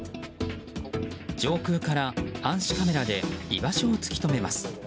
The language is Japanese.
上空から、暗視カメラで居場所を突き止めます。